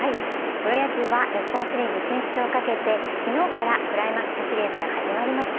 プロ野球は日本シリーズ進出をかけて昨日からクライマックスシリーズが始まりました。